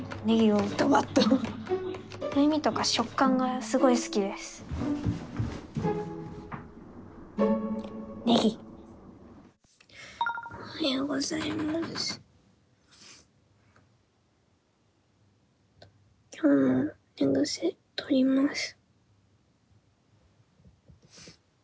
おはようございます。